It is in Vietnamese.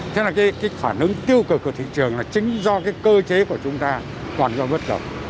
thế là cái phản ứng tiêu cực của thị trường là chính do cái cơ chế của chúng ta còn do bất cập